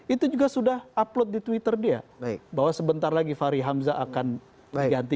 itu juga sudah upload di twitter dia bahwa sebentar lagi fahri hamzah akan diganti